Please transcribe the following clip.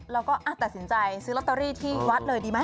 แล้วก็ตัดสินใจซื้อลอตเตอรี่ที่วัดเลยดีไหม